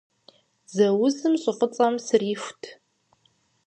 Дзэ узым щӀы фӀыцӀэм срихурт.